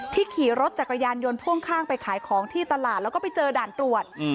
ขี่รถจักรยานยนต์พ่วงข้างไปขายของที่ตลาดแล้วก็ไปเจอด่านตรวจ